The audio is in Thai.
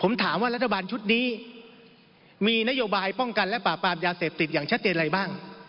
ผมถามว่ารัฐบาลชุดนี้มีนโยบายป้องกันและปราบปรามยาเสพติดอย่างชัดเจนอะไรบ้าง